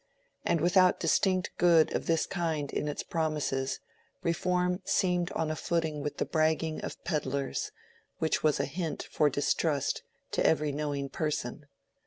And without distinct good of this kind in its promises, Reform seemed on a footing with the bragging of pedlers, which was a hint for distrust to every knowing person.